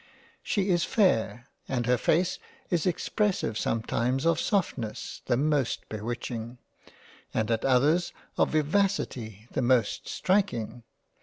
She is fair and her face is ex pressive sometimes of softness the most bewitching, and at others of Vivacity the most striking.